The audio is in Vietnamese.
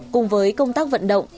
cùng với công tác vận động